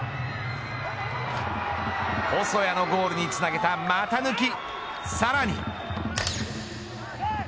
細谷のゴールにつなげた股抜き。